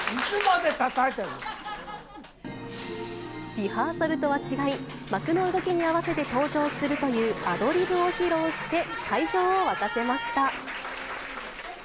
リハーサルとは違い、幕の動きに合わせて登場するというアドリブを披露して会場を沸かせました。